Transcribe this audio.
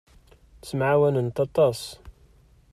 Ttemɛawanent aṭas.